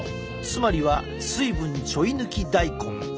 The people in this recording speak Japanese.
つまりは水分ちょい抜き大根。